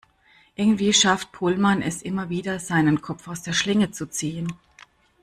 Irgendwie schafft Pohlmann es immer wieder, seinen Kopf aus der Schlinge zu ziehen.